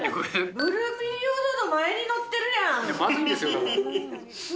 ブルーピリオドの前に載ってるやん。